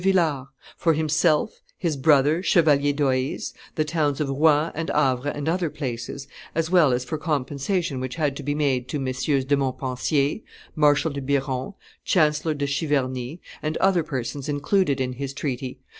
Villars, for himself, his brother, Chevalier d'Oise, the towns of Rouen and Havre and other places, as well as for compensation which had to be made to MM. de Montpensier, Marshal de Biron, Chancellor de Chiverny, and other persons included in his treaty